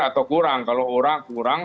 atau kurang kalau kurang